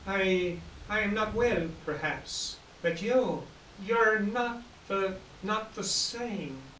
"I—I am not well, perhaps. But you—you're not the—not the same.